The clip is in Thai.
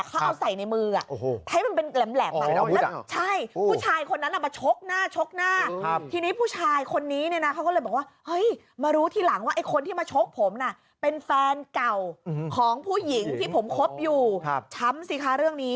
เขาเอาใส่ในมือ